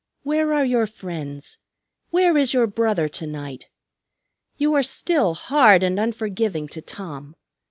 Where are your friends? Where is your brother to night? You are still hard and unforgiving to Tom.